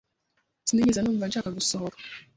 Sinigeze numva nshaka gusohoka.